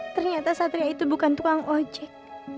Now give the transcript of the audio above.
ternyata satria itu bukan tukang ojek